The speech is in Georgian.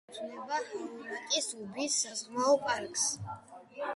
მიეკუთვნება ჰაურაკის უბის საზღვაო პარკს.